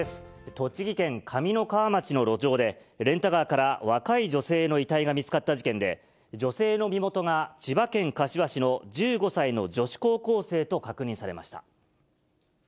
栃木県上三川町の路上で、レンタカーから若い女性の遺体が見つかった事件で、女性の身元が千葉県柏市の１５歳の女子高校生と確認されました。